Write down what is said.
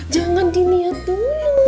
jangan diniat dulu